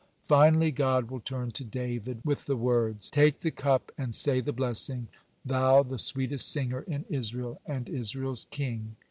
Finally God will turn to David with the words: "Take the cup and say the blessing, thou the sweetest singer in Israel and Israel's king.